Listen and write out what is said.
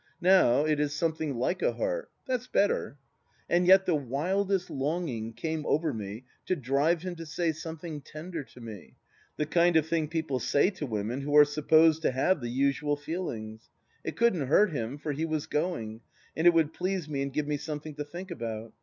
Now it is " something like a heart." That's better. And yet the wildest longing came over me to drive him to say something tender to me : the kind of thing people say to women who are supposed to have the usual feelings. It couldn't hurt him, for he was going, and it would please me and give me something to think about.